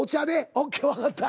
ＯＫ分かった。